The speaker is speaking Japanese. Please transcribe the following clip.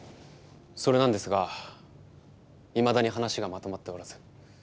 それなんですがいまだに話がまとまっておらず。